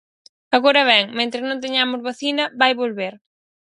Agora ben, mentres non teñamos vacina, vai volver.